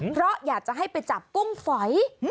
เพราะอยากจะให้ไปจับกุ้งฝอย